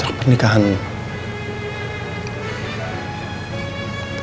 hai untuk pertahankan menemukan